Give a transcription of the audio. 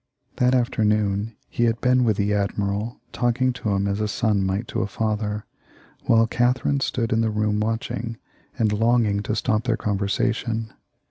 That afternoon he had been with the admiral, talking to him as a son might to a father, while Catherine stood in the room watching and longing to stop their conversa tion.